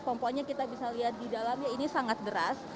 pompanya kita bisa lihat di dalamnya ini sangat beras